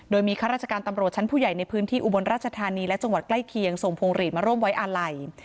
โดยมีข้าราชการตำรวจชั้นผู้ใหญ่ในพื้นที่อุบลราชธานีและจังหวัดใกล้เคียงส่งพวงหลีดมาร่วมไว้อาลัย